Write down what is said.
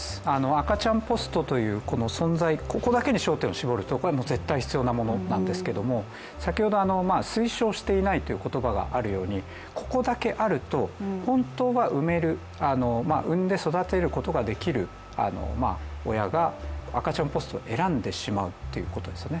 赤ちゃんポストというこの存在、ここだけに焦点を絞るとこれは絶対必要なものなんですけども、先ほど推奨していないという言葉があるようにここだけあると、本当は産める産んで育てることができる親が赤ちゃんポストを選んでしまうということですよね。